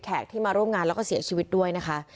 ที่มาร่วมงานแล้วก็เสียชีวิตด้วยนะคะ